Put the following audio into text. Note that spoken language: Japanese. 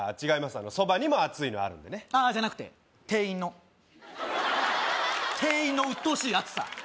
あの蕎麦にも熱いのあるんでねああじゃなくて店員の店員のうっとうしいアツさ